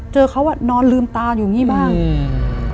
เจอเขาอ่ะนอนลืมตาอยู่อย่างงี้บ้างอืม